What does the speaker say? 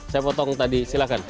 saya potong tadi silahkan